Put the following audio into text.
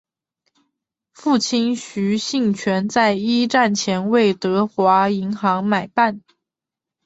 父亲许杏泉在一战前为德华银行买办。